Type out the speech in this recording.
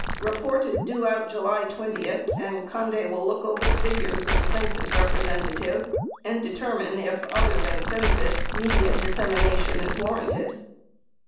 Report is due out July 20 and Conde will look over the figures with the Census representative and determine if other than Census media dissemination is war ranted.